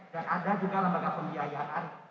dan ada juga lembaga pembiayaan